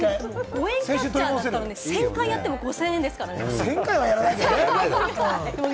５円クレーンゲーム、１０００回やっても５０００円ですからね。